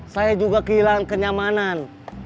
saya juga kehilangan kenyamanan